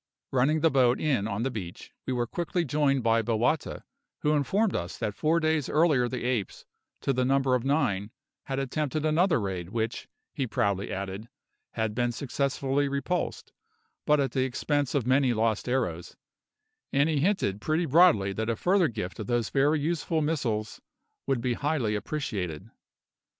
Running the boat in on the beach, we were quickly joined by Bowata, who informed us that four days earlier the apes, to the number of nine, had attempted another raid which, he proudly added, had been successfully repulsed, but at the expense of many lost arrows; and he hinted pretty broadly that a further gift of those very useful missiles would be highly appreciated.